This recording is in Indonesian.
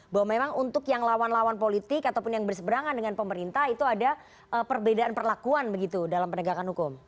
bahwa memang untuk yang lawan lawan politik ataupun yang berseberangan dengan pemerintah itu ada perbedaan perlakuan begitu dalam penegakan hukum